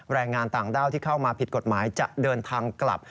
แรงงานต่างด้าวที่เข้ามาผิดกฎหมายจะเดินทางกลับ